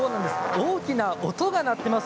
大きな音が鳴っています。